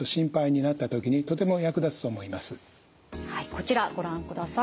こちらご覧ください。